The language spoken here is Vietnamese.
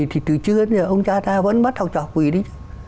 thì từ trước đến giờ ông cha ta vẫn bắt học trò quỳ đi chứ